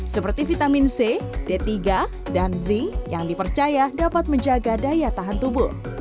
seperti vitamin c d tiga dan zinc yang dipercaya dapat menjaga daya tahan tubuh